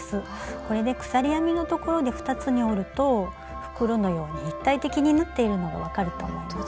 これで鎖編みのところで２つに折ると袋のように立体的に縫っているのが分かると思います。